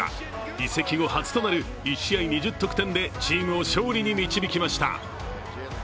移籍後初となる１試合２０得点でチームを勝利に導きました。